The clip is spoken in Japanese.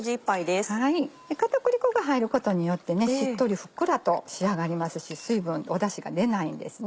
片栗粉が入ることによってしっとりふっくらと仕上がりますし水分だしが出ないんですね。